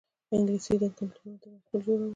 انګلیسي د کلتورونو ترمنځ پل جوړوي